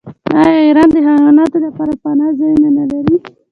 آیا ایران د حیواناتو لپاره پناه ځایونه نلري؟